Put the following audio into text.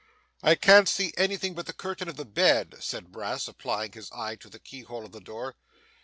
'I can't see anything but the curtain of the bed,' said Brass, applying his eye to the keyhole of the door.